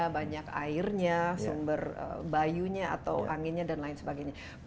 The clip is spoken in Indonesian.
banyak airnya sumber bayunya atau anginnya dan lain sebagainya